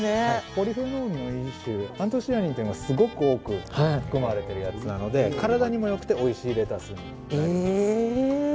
ポリフェノールの一種でアントシアニンというのがすごく多く含まれているので体にも良くておいしいレタスになります。